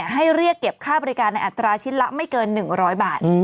ให้เรียกเก็บค่าบริการในอัตราชิ้นละไม่เกิน๑๐๐บาท